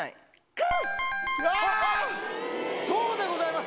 くー、そうでございます。